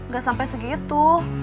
gak sampai segitu